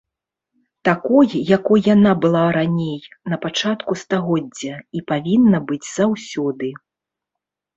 Такой, якой яна была раней, на пачатку стагоддзя, і павінна быць заўсёды.